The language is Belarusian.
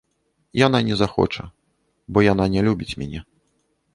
Яна не захоча, бо яна не любіць мяне.